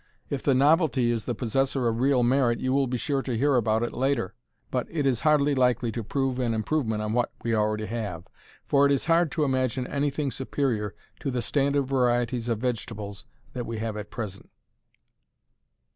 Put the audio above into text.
If the "novelty" is the possessor of real merit you will be sure to hear about it later, but it is hardly likely to prove an improvement on what we already have, for it is hard to imagine anything superior to the standard varieties of vegetables that we have at present.